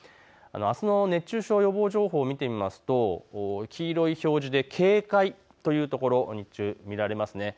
あすも熱中症予防情報を見てみますと黄色い表示で警戒というところ、見られます。